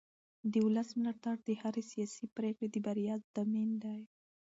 د ولس ملاتړ د هرې سیاسي پرېکړې د بریا ضامن دی